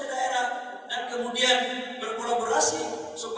dan kemudian berkolaborasi supaya ada yang punya selesai pulang ke daerah